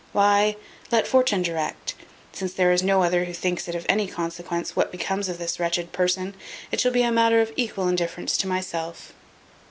why, let Fortune direct; since there is no other who thinks it of any consequence what becomes of this wretched person, it shall be a matter of equal indifference to myself.